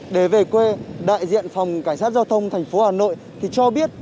để về quê đại diện phòng cảnh sát giao thông thành phố hà nội thì cho biết